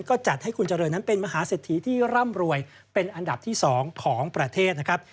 ก็จัดให้คุณเจริญนั้นเป็นมหาเศรษฐีที่ร่ำรวยเป็นอันดับที่๒ของประเทศนะครับ